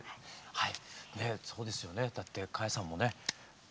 はい。